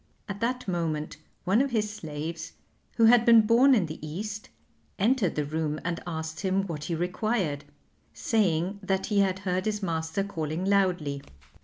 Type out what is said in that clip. At that moment one of his slaves, who had been born in the East, entered the room and asked him what he required, saying that he had heard his master calling loudly.